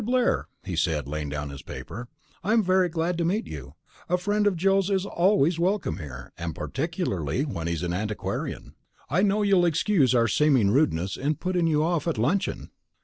Blair," he said, laying down his paper, "I am very glad to meet you. A friend of Joe's is always welcome here, and particularly when he's an antiquarian. I know you'll excuse our seeming rudeness in putting you off at luncheon."